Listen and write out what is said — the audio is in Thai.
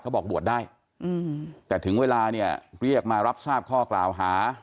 บอกบวชได้แต่ถึงเวลาเนี่ยเรียกมารับทราบข้อกล่าวหา